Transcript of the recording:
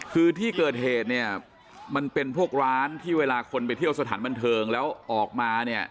คือที่เกิดเหตุเนี่ยมันเป็นพวกร้านที่เวลาคนไปเที่ยวสถานบันเทิงแล้วออกมาเนี่ย